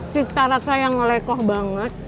cita rasa yang lekoh banget